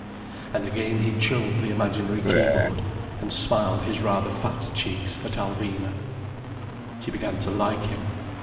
_" And again he trilled the imaginary keyboard, and smiled his rather fat cheeks at Alvina. She began to like him.